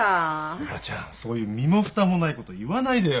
おばちゃんそういう身も蓋もないこと言わないでよ。